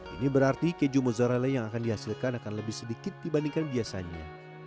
ini berarti keju mozzarella yang akan dihasilkan akan lebih sedikit dibandingkan biasanya